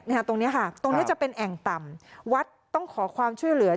ตรงเนี้ยค่ะตรงเนี้ยจะเป็นแอ่งต่ำวัดต้องขอความช่วยเหลือ